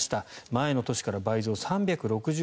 前の年から倍増、３６４件。